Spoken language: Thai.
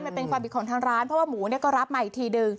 มันเป็นความผิดของทางร้านเพราะว่าหมูก็รับมาอีกทีหนึ่ง